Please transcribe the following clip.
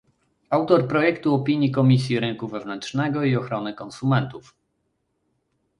autor projektu opinii Komisji Rynku Wewnętrznego i Ochrony Konsumentów